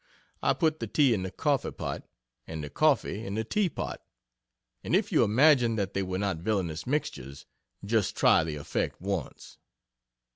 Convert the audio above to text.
I put the tea in the coffee pot, and the coffee in the teapot and if you imagine that they were not villainous mixtures, just try the effect once.